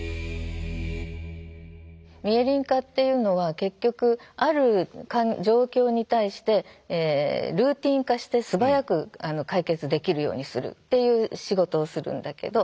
ミエリン化っていうのは結局ある状況に対してルーティン化して素早く解決できるようにするっていう仕事をするんだけど。